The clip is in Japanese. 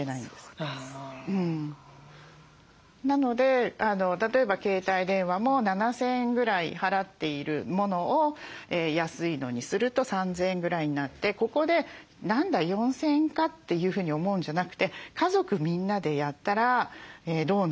なので例えば携帯電話も７，０００円ぐらい払っているものを安いのにすると３，０００円ぐらいになってここで「何だ４，０００円か」というふうに思うんじゃなくて家族みんなでやったらどうなるんだろうって。